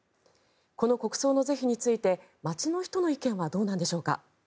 この国葬の是非について街の人の意見はどうなんでしょうか。